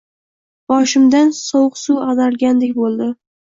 Boshimdan sovuq suv agʻdarilgandek boʻldi